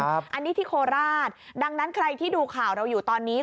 อันนี้ที่โคราชดังนั้นใครที่ดูข่าวเราอยู่ตอนนี้